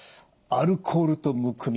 アルコールとむくみ